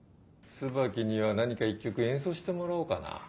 椿には何か１曲演奏してもらおうかな。